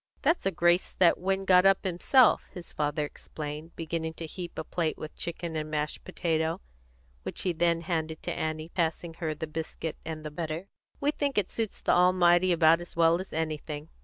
"That's a grace that Win got up himself," his father explained, beginning to heap a plate with chicken and mashed potato, which he then handed to Annie, passing her the biscuit and the butter. "We think it suits the Almighty about as well as anything."